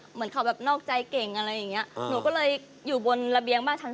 เป็นเขาแบบนอกใจเก่งหนูก็เลยอยู่บนระเบียงบ้านทั้ง๒